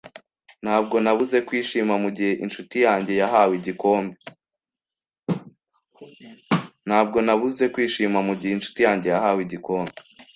Ntabwo nabuze kwishima mugihe inshuti yanjye yahawe igikombe.